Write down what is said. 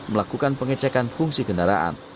melakukan pengecekan fungsi kendaraan